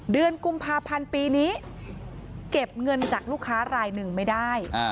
เดือนกุมภาพันธ์ปีนี้เก็บเงินจากลูกค้ารายหนึ่งไม่ได้